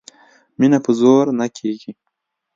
مینه په زور نه کېږي